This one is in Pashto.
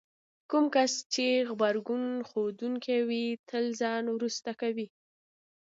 کوم کس چې غبرګون ښودونکی وي تل ځان وروسته کوي.